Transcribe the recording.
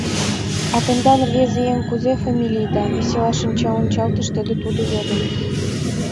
— А тендан, рвезе еҥ, кузе фамилийда? — весела шинча ончалтыш дене тудо йодын.